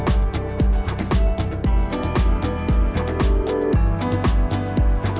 oke pemirsa saatnya kita coba ya